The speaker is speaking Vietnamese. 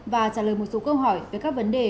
và trả lời một số câu hỏi về các vấn đề